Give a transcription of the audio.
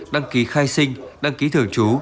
đăng ký khai sinh đăng ký thường trú